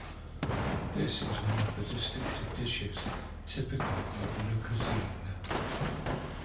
This is one of the distinctive dishes typical of Lu Cuisine.